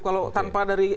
kalau tanpa dari